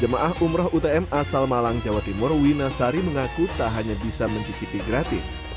jemaah umroh utm asal malang jawa timur wina sari mengaku tak hanya bisa mencicipi gratis